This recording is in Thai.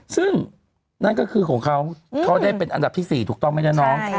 ซึ่งนั่นก็คือของเขาเขาได้เป็นอันดับที่๔ถูกต้องไหมนะน้อง